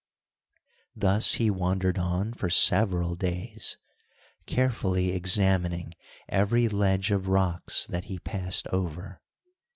Thus he wandered on for several days, carefully examining every ledge of rocks that he passed over.